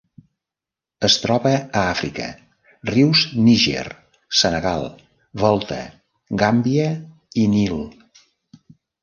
Es troba a Àfrica: rius Níger, Senegal, Volta, Gàmbia i Nil.